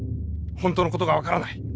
本当の事が分からない。